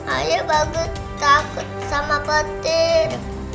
ayah bagus takut sama petir